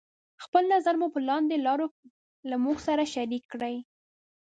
خپل نظر مو پر لاندې لارو له موږ سره شريکې کړئ: